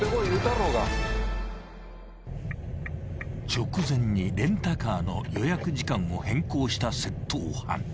［直前にレンタカーの予約時間を変更した窃盗犯］